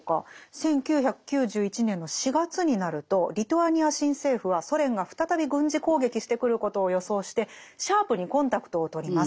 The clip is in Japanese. １９９１年の４月になるとリトアニア新政府はソ連が再び軍事攻撃してくることを予想してシャープにコンタクトをとります。